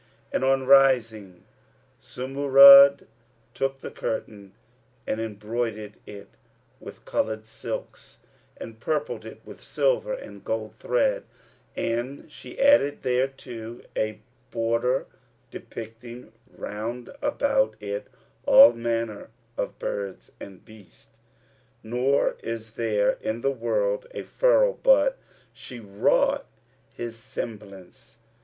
And on rising, Zumurrud took the curtain and embroidered it with coloured silks and purpled it with silver and gold thread and she added thereto a border depicting round about it all manner of birds and beasts; nor is there in the world a feral but she wrought his semblance.